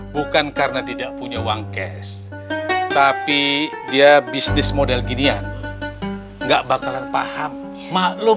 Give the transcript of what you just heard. bukan karena tidak punya uang cash tapi dia bisnis model ginian enggak bakalan paham maklum